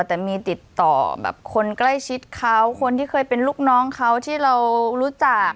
แต่มีติดต่อแบบคนใกล้ชิดเขาคนที่เคยเป็นลูกน้องเขาที่เรารู้จัก